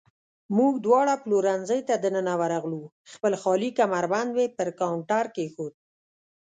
موږ دواړه پلورنځۍ ته دننه ورغلو، خپل خالي کمربند مې پر کاونټر کېښود.